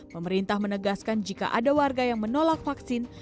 pemerintah menegaskan jika ada warga yang menolak vaksin